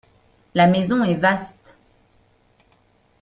La maison est vaste.